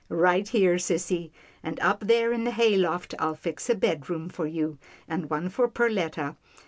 " Right here, sissy, and up there in the hay loft I'll fix a bed room for you, and one for Perletta.